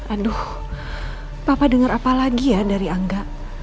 aduh papa dengar apa lagi ya dari angga